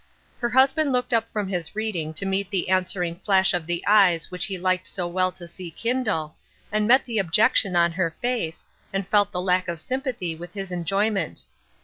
Her husband looked up from his reading to meet the answer ing flash of the eyes which he liked so well to see kindle, and met the objection on her face, and felt the lack of sympathy with his enjoy ment.